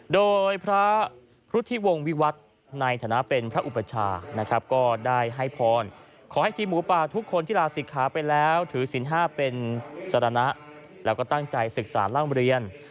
โดยพระพุทธิวงศ์วิวัฒน์ในฐานะเป็นพระอุปชานะครับก็ได้ให้พรขอให้ทีมหมูป่าทุกคนที่ลาศิกขาไปแล้วถือศิลป๕เป็นสารณะแล้วก็ตั้งใจศึกษาร่ำเรียน